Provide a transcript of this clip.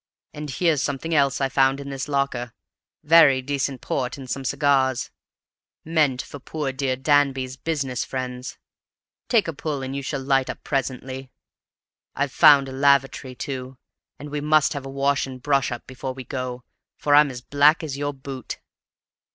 And here's something else I found in this locker; very decent port and some cigars, meant for poor dear Danby's business friends. Take a pull, and you shall light up presently. I've found a lavatory, too, and we must have a wash and brush up before we go, for I'm as black as your boot."